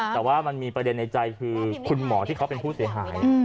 แต่ว่ามันมีประเด็นในใจคือคุณหมอที่เขาเป็นผู้เสียหาย